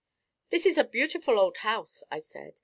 "This is a beautiful old house," I said.